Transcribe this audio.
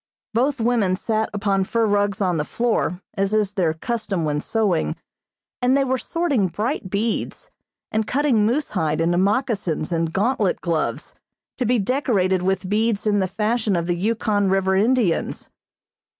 Both women sat upon fur rugs on the floor, as is their custom when sewing, and they were sorting bright beads, and cutting moosehide into moccasins and gauntlet gloves, to be decorated with beads in the fashion of the Yukon River Indians.